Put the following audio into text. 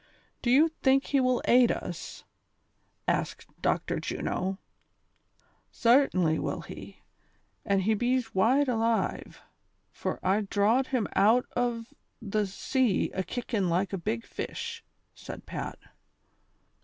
Do you think he will aid us V " asked Dr. Juno. "Cartainly will he, an' he bees wide alive, fur I draw'd him out ov they sea akickin' like a big fesh," said Pat.